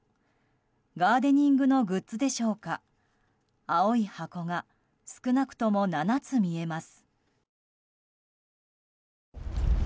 ガーデニングのグッズでしょうか青い箱が少なくとも７つ見えます。